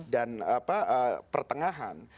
dan apa pertengahan